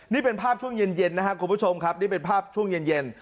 นี่เป็นภาพช่วงเย็นนะครับคุณผู้ชมครับนี่เป็นภาพช่วงเย็น